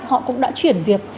họ cũng đã chuyển diệt